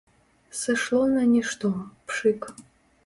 Сышло на нішто, пшык!